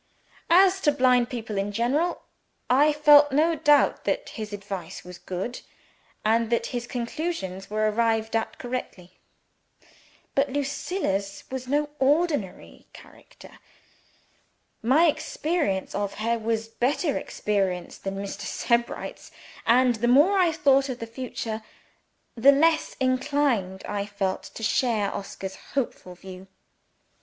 As to blind people in general, I felt no doubt that his advice was good, and that his conclusions were arrived at correctly. But Lucilla's was no ordinary character. My experience of her was better experience than Mr. Sebright's and the more I thought of the future, the less inclined I felt to share Oscar's hopeful view.